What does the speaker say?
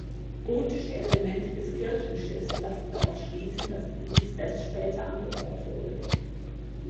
Gotische Elemente des Kirchenschiffs lassen darauf schließen, dass dieses erst später angebaut wurde.